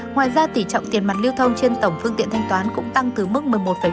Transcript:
ngoài ra tỷ trọng tiền mặt lưu thông trên tổng phương tiện thanh toán cũng tăng từ mức một mươi một một mươi